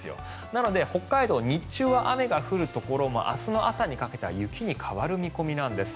なので北海道日中は雨が降るところも明日の朝にかけては雪に変わる見込みなんです。